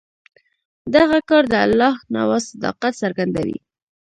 دغه کار د الله نواز صداقت څرګندوي.